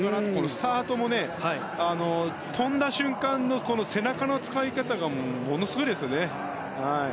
スタートも跳んだ瞬間の背中の使い方がものすごいですよね。